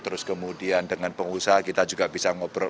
terus kemudian dengan pengusaha kita juga bisa ngobrol